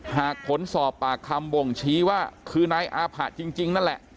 หากผลสอบปากคำบ่งชี้ว่าคือนายอาผะจริงนั่นแหละ